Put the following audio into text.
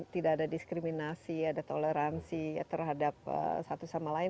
tidak ada diskriminasi ada toleransi terhadap satu sama lain